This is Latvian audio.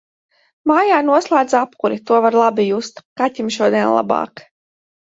Mājā noslēdza apkuri, to var labi just. Kaķim šodien labāk.